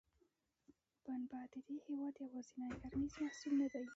پنبه د دې هېواد یوازینی کرنیز محصول نه دی.